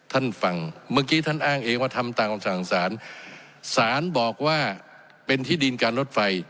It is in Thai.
ท่านฟังเมื่อกี้ท่านอ้างเองว่าทำตามคำสั่งสารสารบอกว่าเป็นที่ดินการลดไฟ